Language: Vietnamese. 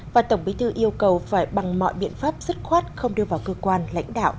và tổng bí thư yêu cầu phải bằng mọi biện pháp dứt khoát không đưa vào cơ quan lãnh đạo